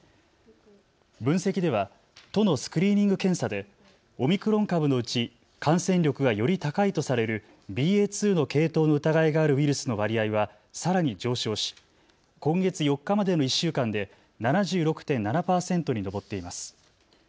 分析では都のスクリーニング検査でオミクロン株のうち感染力がより高いとされるＢＡ．２の系統の疑いがあるウイルスの割合はさらに上昇し今月４日までの１週間で７６．７％に上っています。